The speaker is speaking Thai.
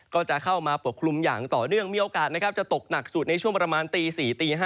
ก็จะเข้ามาปกคลุมอย่างต่อเนื่องมีโอกาสนะครับจะตกหนักสุดในช่วงประมาณตี๔ตี๕